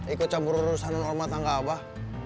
ikut campur urusan dan hormat tangga abah